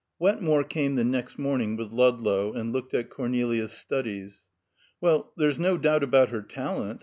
Wetmore came the next morning with Ludlow, and looked at Cornelia's studies. "Well, there's no doubt about her talent.